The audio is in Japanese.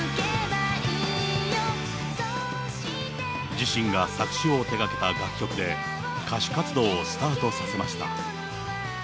自身が作詞を手がけた楽曲で、歌手活動をスタートさせました。